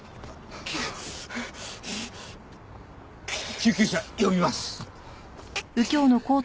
救急車呼びます。